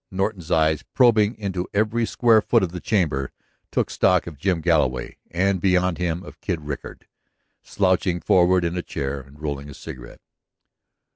Norton's eyes, probing into every square foot of the chamber, took stock of Jim Galloway, and beyond him of Kid Rickard, slouching forward in a chair and rolling a cigarette.